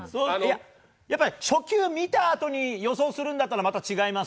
初球見たあとに予想するんだったらまた違います？